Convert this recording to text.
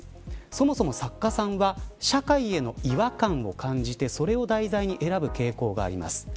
そもそも作家さんは社会への違和感を感じてそれを題材に選ぶ傾向があります。